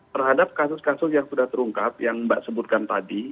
terhadap kasus kasus yang sudah terungkap yang mbak sebutkan tadi